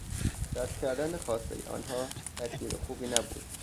رد کردن خواستهی آنها تدبیر خوبی نبود.